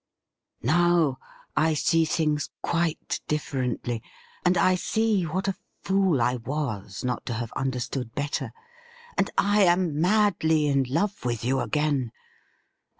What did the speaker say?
Now I see things quite differently, and I see what a fool I was not to have under stood better, and I am madly in love with you again.